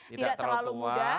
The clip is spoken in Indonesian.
tidak terlalu muda